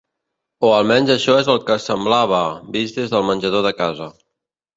O almenys això és el que semblava, vist des del menjador de casa.